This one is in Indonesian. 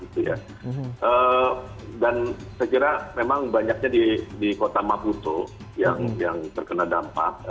dan saya kira memang banyaknya di kota maputo yang terkena dampak